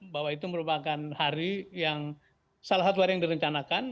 bahwa itu merupakan hari yang salah satu hari yang direncanakan